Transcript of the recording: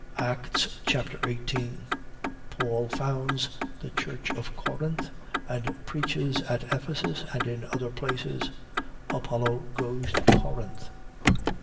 Acts Chapter 18 Paul founds the church of Corinth and preaches at Ephesus and in other places. Apollo goes to Corinth.